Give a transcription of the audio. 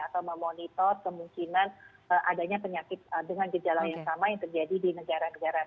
atau memonitor kemungkinan adanya penyakit dengan gejala yang sama yang terjadi di negara negara